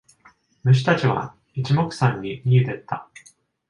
虫たちは一目散に逃げてった。